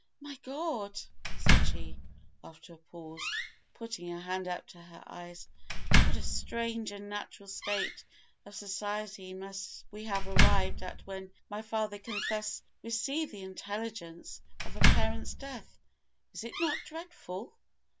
"My God!" said she, after a pause, putting her hand up to her eyes, "what a strange, unnatural state of society must we have arrived at when my father can thus receive the intelligence of a parent's death. Is it not dreadful?"